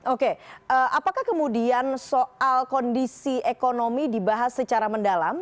oke apakah kemudian soal kondisi ekonomi dibahas secara mendalam